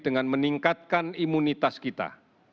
dengan meningkatkan imunitas kita